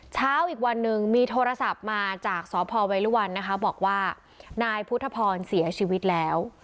เช้าอีกวันหนึ่งมีโทรศัพท์มาจากสพเวรุวันนะคะบอกว่านายพุทธพรเสียชีวิตแล้ว